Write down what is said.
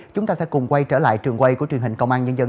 chúng ta sẽ cùng quay trở lại trường quay của truyền hình công an nhân dân